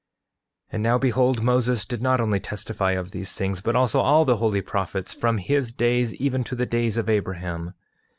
8:16 And now behold, Moses did not only testify of these things, but also all the holy prophets, from his days even to the days of Abraham.